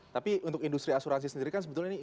tapi untuk industri asuransi sendiri kan sebetulnya ini